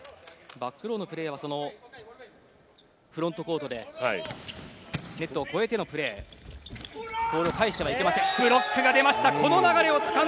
バックローのプレーヤーはフロントコートでネットを越えてのプレーボールを返してはいけません。